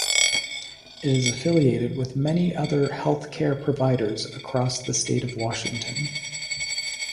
It is affiliated with many other health care providers across the state of Washington.